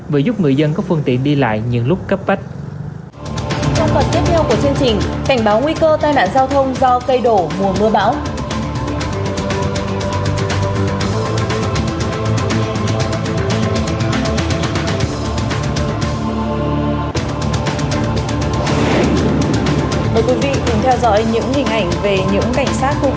với giúp người dân có phương tiện đi lại những lúc cấp bách